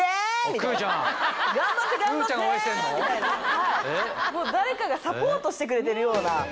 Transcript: みたいなもう誰かがサポートしてくれてるような。